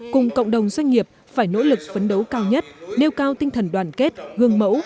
cùng cộng đồng doanh nghiệp phải nỗ lực phấn đấu cao nhất nêu cao tinh thần đoàn kết gương mẫu